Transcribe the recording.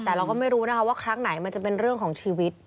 แต่เราก็ไม่รู้นะคะว่าครั้งไหนมันจะเป็นเรื่องของชีวิต